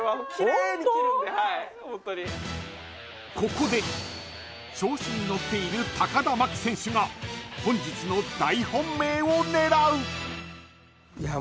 ［ここで調子に乗っている田真希選手が本日の大本命を狙う］